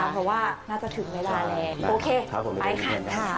เพราะว่าน่าจะถึงเวลาแล้วโอเคไปค่ะ